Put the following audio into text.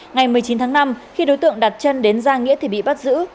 ngày một mươi chín tháng năm khi đối tượng đặt chân đến gia nghĩa thì bị bắt giữ